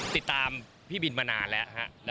ติดตามพี่บินมานานแล้ว